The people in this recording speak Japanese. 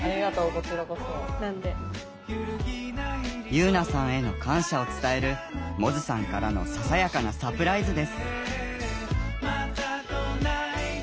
結菜さんへの感謝を伝える百舌さんからのささやかなサプライズです。